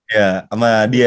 ya sama dia